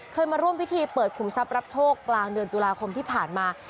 มาร่วมพิธีเปิดขุมทรัพย์รับโชคกลางเดือนตุลาคมที่ผ่านมา